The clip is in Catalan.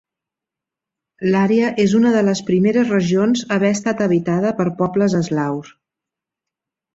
L'àrea és una de les primeres regions a haver estat habitada per pobles eslaus.